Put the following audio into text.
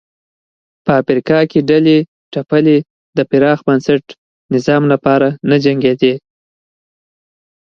په افریقا کې ډلې ټپلې د پراخ بنسټه نظام لپاره نه جنګېدې.